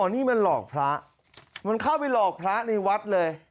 นี่มันหลอกพระมันเข้าไปหลอกพระในวัดเลย